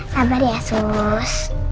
sabar ya sus